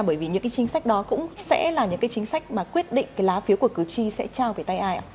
bởi vì những cái chính sách đó cũng sẽ là những cái chính sách mà quyết định cái lá phiếu của cử tri sẽ trao về tay ai ạ